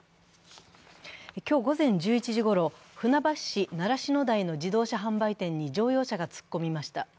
今日午前１１時ごろ船橋市習志野台の自動車販売店に乗用車が突っ込みました。